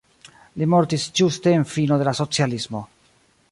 Li mortis ĝuste en fino de la socialismo.